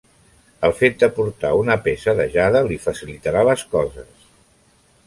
El fet de portar una peça de jade li facilitarà les coses.